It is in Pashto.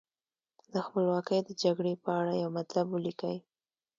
د خپلواکۍ د جګړې په اړه یو مطلب ولیکئ.